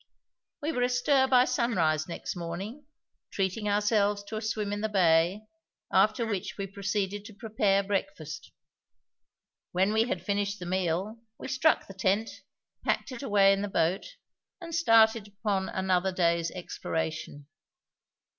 We were astir by sunrise next morning, treating ourselves to a swim in the bay, after which we proceeded to prepare breakfast. When we had finished the meal we struck the tent, packed it away in the boat, and started upon another day's exploration.